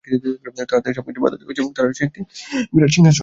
তাকে সবকিছু থেকে দেয়া হয়েছে এবং তার আছে এক বিরাট সিংহাসন।